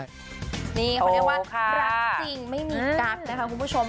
นี่เขาเรียกว่ารักจริงไม่มีกั๊กนะคะคุณผู้ชม